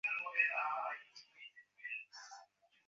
তিনি ডাবলিনে ফিরে আসলেন।